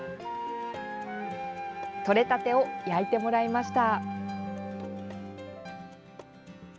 とれたてを焼いてもらいました。